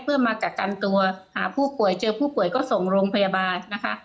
เพื่อมากักกันตัวหาผู้ป่วยเจอผู้ป่วยก็ส่งโรงพยาบาลนะคะ